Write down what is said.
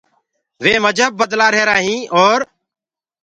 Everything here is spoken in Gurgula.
وي مجب بدلآهيرآ هينٚ اور